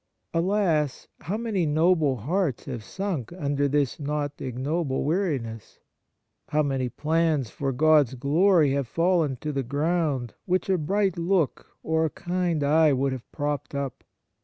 Alas ! how many noble hearts have sunk under this not ignoble weariness ! How many plans for God's glory have fallen to the ground, which a bright look or a kind eye would have propped up